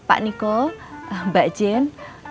pak niko mbak jen